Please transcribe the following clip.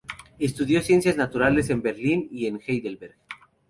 Estudió ciencias naturales en Berlín y en Heidelberg.